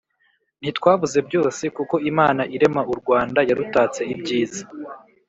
ntitwabuze byose kuko imana irema u rwanda yarutatse ibyiza